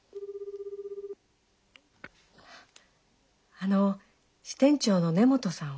☎あの支店長の根本さんを。